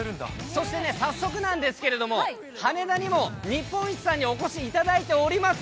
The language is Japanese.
そして、早速なんですけれども、羽田にも日本一さんにお越しいただいております。